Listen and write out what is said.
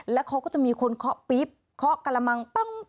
แล้วเขาก็จะมีคนเคาะปิ๊บเคาะกระมังปั้ง